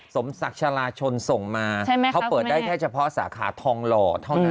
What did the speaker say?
สมศักดิ์ชาลาชนส่งมาเขาเปิดได้แค่เฉพาะสาขาทองหล่อเท่านั้น